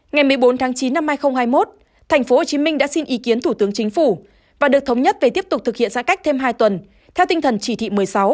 ngày một mươi bốn tháng chín năm hai nghìn hai mươi một thành phố hồ chí minh đã xin ý kiến thủ tướng chính phủ và được thống nhất về tiếp tục thực hiện giãn cách thêm hai tuần theo tinh thần chỉ thị một mươi sáu